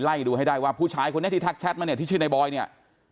ดูให้ได้ว่าผู้ชายคนนี้ที่ทักแชทมาเนี่ยที่ชื่อในบอยเนี่ย